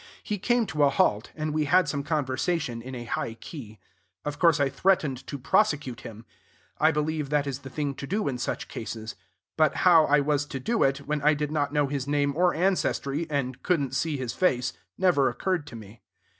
He came to a halt; and we had some conversation in a high key. Of course I threatened to prosecute him. I believe that is the thing to do in such cases; but how I was to do it, when I did not know his name or ancestry, and couldn't see his face, never occurred to me.